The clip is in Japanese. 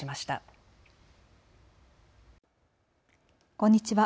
こんにちは。